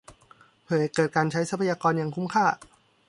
เพื่อให้เกิดการใช้ทรัพยากรอย่างคุ้มค่า